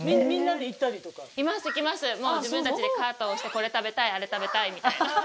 自分たちでカートを押してこれ食べたいあれ食べたいみたいな。